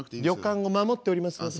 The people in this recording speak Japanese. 「旅館を守っております」。